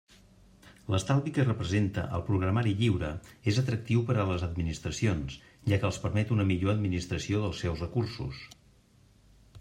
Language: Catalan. L'estalvi que representa el programari lliure és atractiu per a les administracions, ja que els permet una millor administració dels seus recursos.